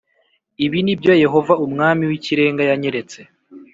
Ibi ni byo Yehova Umwami w’Ikirenga yanyeretse